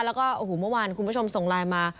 แล้วก็โอ้โหเมื่อวานคุณผู้ชมส่งไลน์มา